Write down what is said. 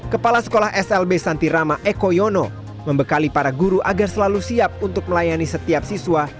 kepala sekolah slb santirama eko yono membekali para guru agar selalu siap untuk melayani setiap siswa